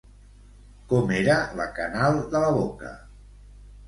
Com era la canal de la boca?